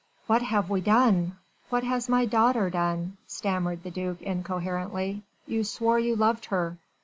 what have we done?... what has my daughter done?..." stammered the duc incoherently. "You swore you loved her